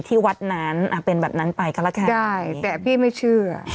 ที่วัดนั้นเป็นแบบนั้นไปก็แล้วกันได้แต่พี่ไม่เชื่อ